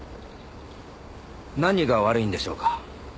何が悪いんでしょうか？